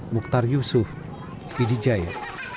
muktar yusuf pd jaya